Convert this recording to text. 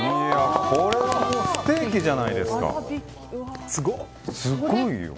これはもうステーキじゃないですか。